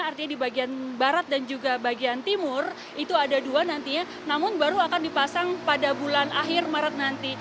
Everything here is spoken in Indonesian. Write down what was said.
artinya di bagian barat dan juga bagian timur itu ada dua nantinya namun baru akan dipasang pada bulan akhir maret nanti